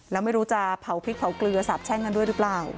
แล้วไม่รู้จะเผาพริกเผาเกลือสาบแช่งกันด้วยหรือเปล่า